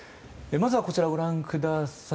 まずは、こちらご覧ください。